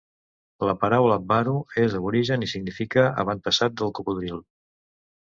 La paraula Baru és aborigen i significa "avantpassat del cocodril".